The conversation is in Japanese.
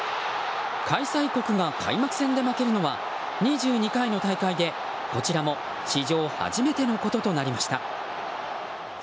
開催国が開幕戦で負けるのは２２回の大会でこちらも史上初めてのこととなりました。